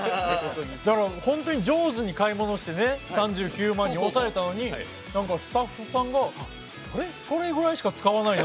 本当に上手に買い物して３９万円に抑えたのにスタッフさんがそれぐらいしか使わないの？